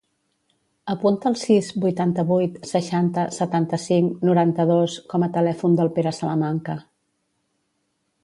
Apunta el sis, vuitanta-vuit, seixanta, setanta-cinc, noranta-dos com a telèfon del Pere Salamanca.